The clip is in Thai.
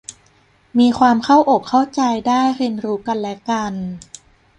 มีความเข้าอกเข้าใจได้เรียนรู้กันและกัน